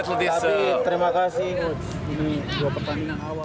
tapi terima kasih